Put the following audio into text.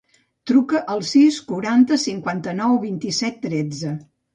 Truca al sis, quaranta, cinquanta-nou, vint-i-set, tretze.